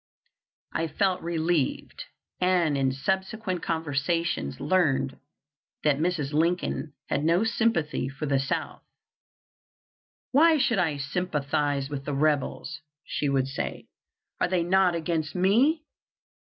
I felt relieved, and in subsequent conversations learned that Mrs. Lincoln had no sympathy for the South. "Why should I sympathize with the rebels," she would say; "are they not against me?